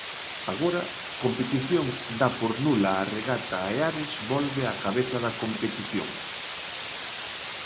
Agora, Competición dá por nula a regata e Ares volve á cabeza da competición.